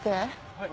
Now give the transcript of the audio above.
はい。